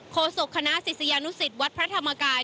โศกคณะศิษยานุสิตวัดพระธรรมกาย